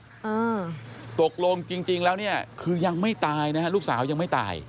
อ่าตกลงจริงจริงแล้วเนี่ยคือยังไม่ตายนะฮะลูกสาวยังไม่ตาย